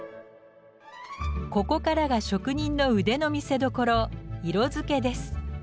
ここからが職人の腕の見せどころ色づけです。